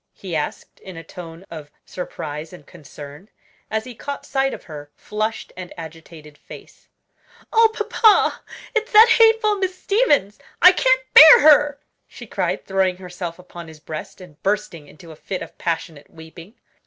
he asked in a tone of surprise and concern, as he caught sight of her flushed and agitated face. "Oh, papa, it's that hateful Miss Stevens; I can't bear her!" she cried, throwing herself upon his breast, and bursting into a fit of passionate weeping.